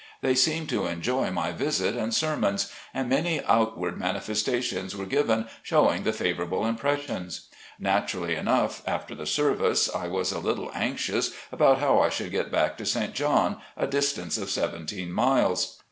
They seemed to enjoy my visit and sermons, and many outward manifestations were given showing the favorable impressions. Nat urally enough, after the service, I was a little anxious about how I should get back to St. John, a distance of seventeen miles.